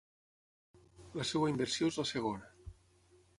La seva inversió és la segona.